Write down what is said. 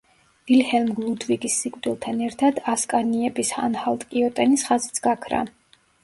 ვილჰელმ ლუდვიგის სიკვდილთან ერთად ასკანიების ანჰალტ-კიოტენის ხაზიც გაქრა.